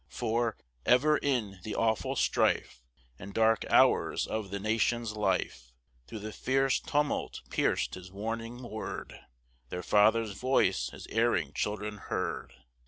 For, ever in the awful strife And dark hours of the nation's life, Through the fierce tumult pierced his warning word, Their father's voice his erring children heard!